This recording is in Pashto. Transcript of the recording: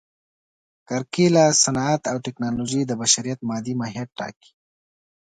کرکېله، صنعت او ټکنالوژي د بشریت مادي ماهیت ټاکي.